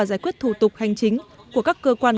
giải quyết thủ tục hành chính của các cơ quan